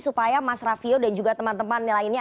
supaya mas raffio dan juga teman teman lainnya